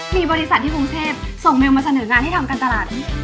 มีบริษัทที่กรุงเทพส่งเมลมาเสนองานให้ทำการตลาด